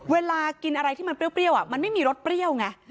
เวลากินอะไรที่มันเปรี้ยวมันไม่มีรสเปรี้ยวไง